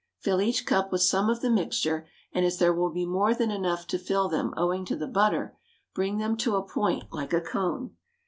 Fill each cup with some of this mixture, and as there will be more than enough to fill them, owing to the butter, bring them to a point, like a cone.